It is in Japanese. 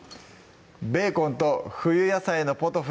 「ベーコンと冬野菜のポトフ」